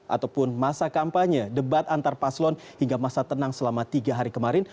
ataupun masa kampanye debat antar paslon hingga masa tenang selama tiga hari kemarin